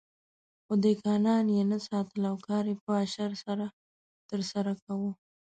خو دهقانان یې نه ساتل او کار یې په اشر سره ترسره کاوه.